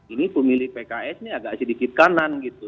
ini pemilih pks ini agak sedikit kanan gitu